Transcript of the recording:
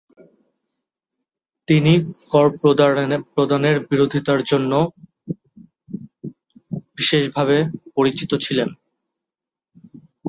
তিনি কর প্রদানের বিরোধিতার জন্য বিশেষভাবে পরিচিত ছিলেন।